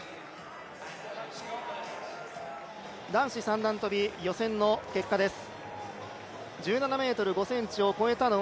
男子三段跳予選の結果です。